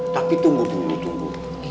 tapi tunggu dulu tunggu